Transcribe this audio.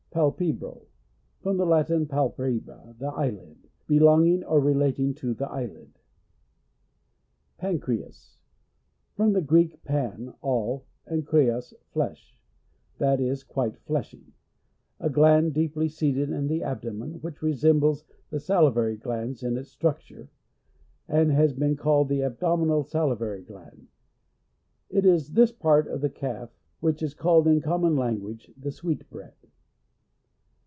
Palpebral. — From the Latin, palpe lira, the eye lid. Belonging or re lating to the eyelid. Pancrf.as. — From the Greek, pan, all, and kreas, flesh, that is, quite fleshy. A gland deeply seated in the ab domen, which resembles the sali vary glands in its structure, and has been called the abdominal sali vary gland. It is this part of the calf which is called, in common language, the sweet bread.